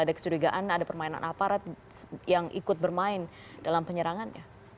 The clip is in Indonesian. ada kecurigaan ada permainan aparat yang ikut bermain dalam penyerangannya